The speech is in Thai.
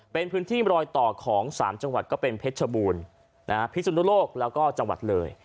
เป็นพื้นที่รอยต่อของ๓จังหวัดก็เป็นเพชรบูรณ์พิสุนุโลกแล้วก็จังหวัดเลย